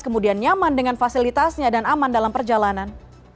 kemudian nyaman dengan fasilitasnya dan aman dalam perjalanan